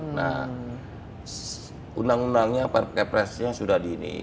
nah undang undangnya kepresnya sudah di ini